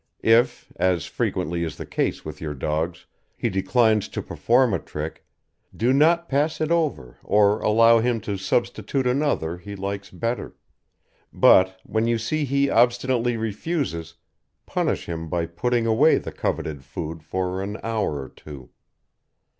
If as frequently is the case with your dogs he declines to perform a trick, do not pass it over or allow him to substitute another he likes better; but, when you see he obstinately refuses, punish him by putting away the coveted food for an hour or two.